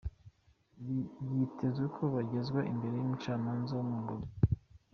Byitezwe ko bagezwa imbere y'umucamanza wo mu Bubirigi.